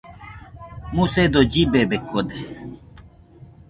Musedo llibebekode